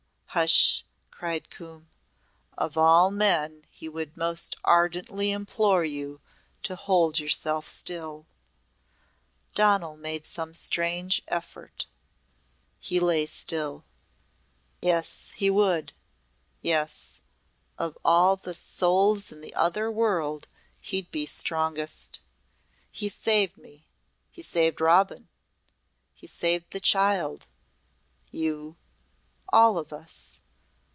hush!" cried Coombe. "Of all men he would most ardently implore you to hold yourself still " Donal made some strange effort. He lay still. "Yes, he would! Yes of all the souls in the other world he'd be strongest. He saved me he saved Robin he saved the child you all of us!